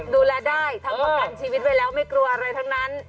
ดูแลได้ทำประกันชีวิตไว้แล้วไม่กลัวอะไรทั้งนั้น